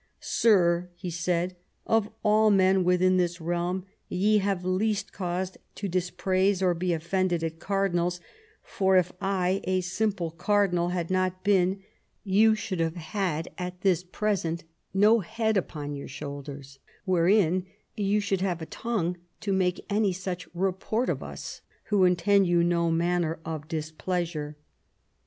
" Sir," he said, " of all men within this realm ye have least cause to dispraise or be offended at cardinals : for if I, a simple cardinal, had not been, you should have had at this present no head upon your shoulders, wherein you should have a tongue to make any such report of us, who intend you no manner of displeasure."